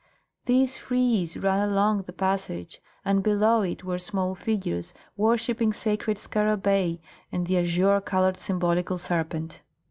This frieze ran all along the passage, and below it were small figures worshipping sacred scarabæi and the azure coloured symbolical serpent.